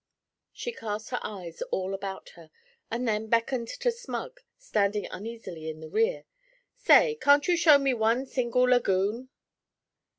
She cast her eyes all about her, and then beckoned to Smug, standing uneasily in the rear: 'Say, can't you show me one single laggoon?'